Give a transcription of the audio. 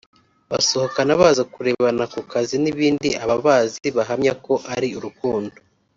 basohokana baza kurebana ku kazi n’ibindi ababazi bahamya ko ari urukundo